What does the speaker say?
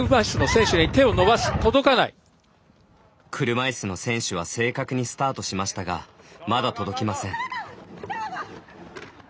車いすの選手は正確にスタートしましたがまだ届きません。